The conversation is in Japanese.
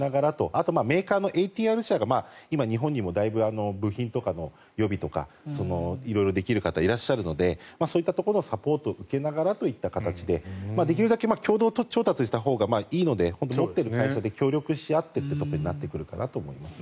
あとはメーカーのＡＴＲ社が今、日本にも部品とかの予備とか色々できる方いらっしゃるのでそういったところでサポートを受けながらという感じでできるだけ共同調達したほうがいいので持っている会社で協力し合ってとなってくるかなと思います。